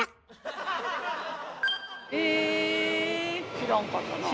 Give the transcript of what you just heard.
知らんかったなあ？